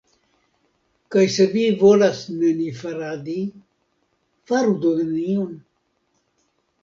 Kaj se vi volas nenifaradi, faru do nenion.